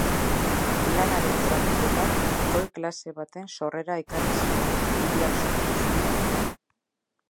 Lanaren zatiketak goi klase baten sorrera ekarri zuen, hiriak sortuz.